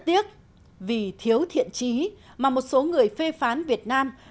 tiếc vì thiếu thiện trí mà một số người phê phán việt nam